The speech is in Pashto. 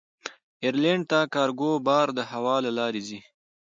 ایرلنډ ته کارګو بار د هوا له لارې ځي.